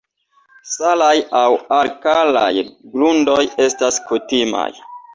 Salaj aŭ alkalaj grundoj estas kutimaj.